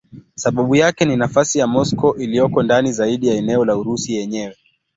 Sababu yake ni nafasi ya Moscow iliyoko ndani zaidi ya eneo la Urusi yenyewe.